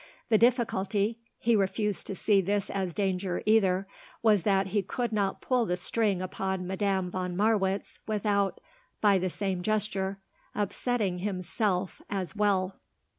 The difficulty he refused to see this as danger either was that he could not pull the string upon Madame von Marwitz without, by the same gesture, upsetting himself as well.